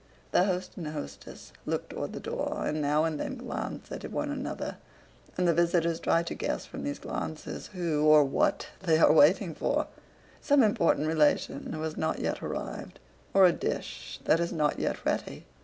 The host and hostess look toward the door, and now and then glance at one another, and the visitors try to guess from these glances who, or what, they are waiting for—some important relation who has not yet arrived, or a dish that is not yet ready.